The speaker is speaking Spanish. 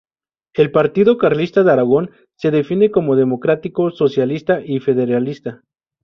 El Partido Carlista de Aragón se define como "democrático, socialista y federalista".